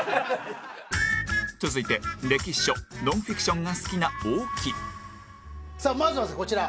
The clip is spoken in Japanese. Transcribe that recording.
続いて歴史書ノンフィクションが好きな大木さあまずはですねこちら。